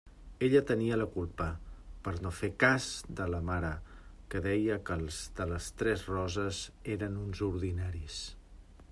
Ella tenia la culpa, per no fer cas de la mare, que deia que els de Les Tres Roses eren uns ordinaris.